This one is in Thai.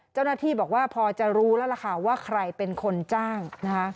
เจ้าหน้าที่บอกว่าพอจะรู้แล้วล่ะค่ะว่าใครเป็นคนจ้างนะคะ